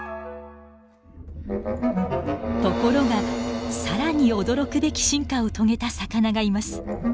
ところが更に驚くべき進化を遂げた魚がいます。